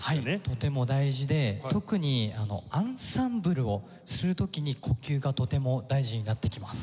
とても大事で特にアンサンブルをする時に呼吸がとても大事になってきます。